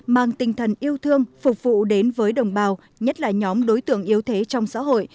mang tinh thần yêu thương phục vụ đến với đồng bào nhất là nhóm đối tượng yếu thế trong xã hội